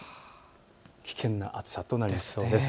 危険な暑さとなりそうです。